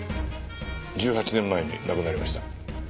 １８年前に亡くなりました。